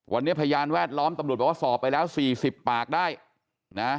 วันนี้พยานแวดล้อมตำรวจบอกว่าสอบไปแล้วสี่สิบปากได้นะ